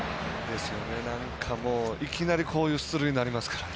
いきなりこういう出塁になりますからね。